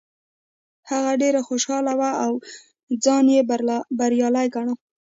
هغه ډیر خوشحاله و او ځان یې بریالی ګاڼه.